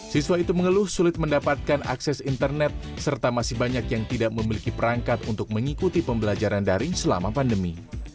siswa itu mengeluh sulit mendapatkan akses internet serta masih banyak yang tidak memiliki perangkat untuk mengikuti pembelajaran daring selama pandemi